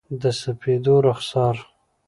د سپېدو رخسار،